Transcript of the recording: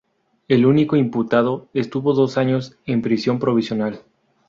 El único imputado estuvo dos años en prisión provisional.